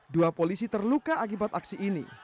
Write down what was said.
dua polisi terluka akibat aksi ini